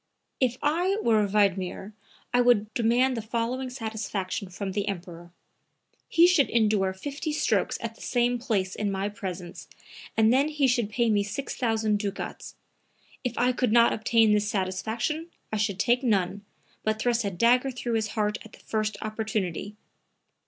"If I were Wiedmer I would demand the following satisfaction from the Emperor: he should endure 50 strokes at the same place in my presence and then he should pay me 6,000 ducats. If I could not obtain this satisfaction I should take none, but thrust a dagger through his heart at the first opportunity.